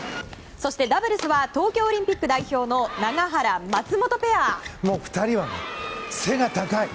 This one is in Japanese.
そして、ダブルスは東京オリンピック代表の２人は背が高い。